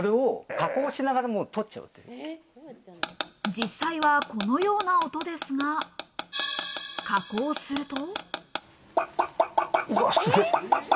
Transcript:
実際はこのような音ですが、加工すると。